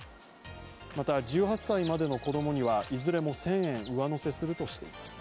また、１８歳までの子供にはいずれも１０００円上乗せずくとしています。